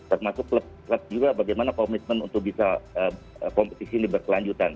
termasuk klub klub juga bagaimana komitmen untuk bisa kompetisi ini berkelanjutan